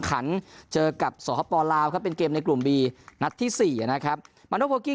ขันเจอกับสหปลาวเขาเป็นเกมในกลุ่มบีนัดที่๔นะครับมัน